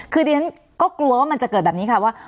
คือดิฉันก็กลัวว่ามันจะเกิดแบบนี้ค่ะว่า